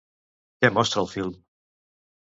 Què mostra el film?